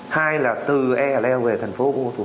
hai là từ e leo về thành phố